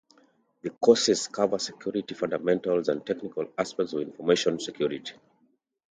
The courses cover security fundamentals and technical aspects of information security.